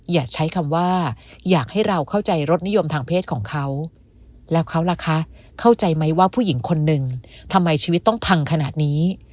อย่าใช้คำว่าอยากให้เราเข้าใจรสนิยมทางเพศของเขาแล้วเขาล่ะคะเข้าใจไหมว่าผู้หญิงคนหนึ่งทำไมชีวิตต้องพังขนาดนี้